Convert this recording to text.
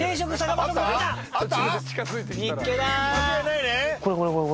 間違いないね。